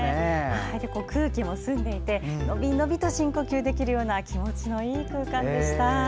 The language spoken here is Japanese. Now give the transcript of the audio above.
空気も澄んでいてのびのびと深呼吸できるような気持ちのいい空間でした。